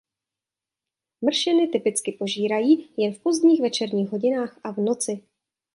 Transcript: Mršiny typicky požírají jen v pozdních večerních hodinách a v noci.